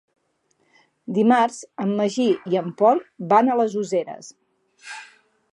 Dimarts en Magí i en Pol van a les Useres.